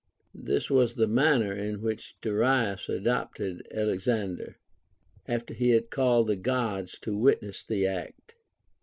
This was the man ner in which Darius adopted Alexander, after he had called the Gods to Avitness the act.